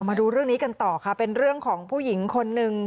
มาดูเรื่องนี้กันต่อค่ะเป็นเรื่องของผู้หญิงคนหนึ่ง